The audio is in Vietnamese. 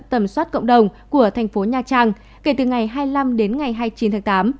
tầm soát cộng đồng của thành phố nha trang kể từ ngày hai mươi năm đến ngày hai mươi chín tháng tám